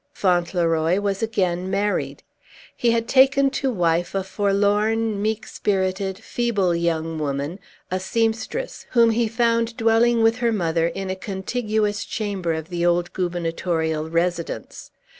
Fauntleroy was again married. He had taken to wife a forlorn, meek spirited, feeble young woman, a seamstress, whom he found dwelling with her mother in a contiguous chamber of the old gubernatorial residence.